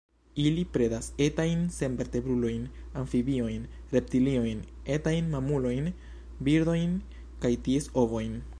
Ili predas etajn senvertebrulojn, amfibiojn, reptiliojn, etajn mamulojn, birdojn kaj ties ovojn.